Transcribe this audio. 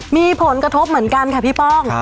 มีผลกระทบเหมือนกันค่ะพี่ป้อง